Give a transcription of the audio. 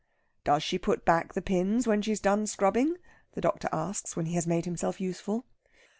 "Does she put back the pins when she's done scrubbing?" the doctor asks, when he has made himself useful.